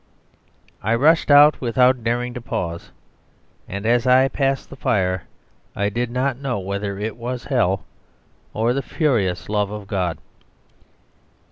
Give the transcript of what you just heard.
I rushed out without daring to pause; and as I passed the fire I did not know whether it was hell or the furious love of God.